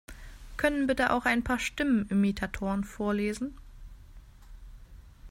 Können bitte auch ein paar Stimmenimitatoren vorlesen?